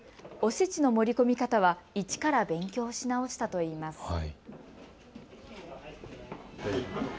おせちの盛り込み方は一から勉強し直したといいます。